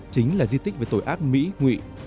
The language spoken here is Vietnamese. chính là di tích về tội ác mỹ nghị